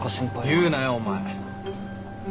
言うなよお前。